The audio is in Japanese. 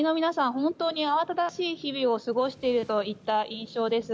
本当に慌ただしい日々を過ごしているといった印象です。